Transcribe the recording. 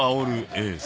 エース！